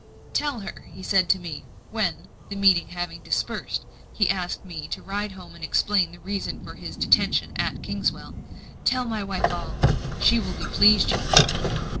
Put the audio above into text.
"Tell her," he said to me, when, the meeting having dispersed, he asked me to ride home and explain the reason of his detention at Kingswell "Tell my wife all. She will be pleased, you know."